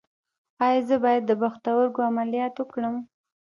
ایا زه باید د پښتورګو عملیات وکړم؟